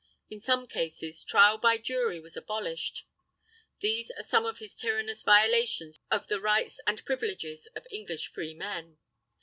In some cases, trial by jury was abolished. These are some of his tyrannous violations of the rights and privileges of English freemen.